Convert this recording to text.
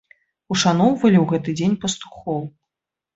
Ушаноўвалі ў гэты дзень пастухоў.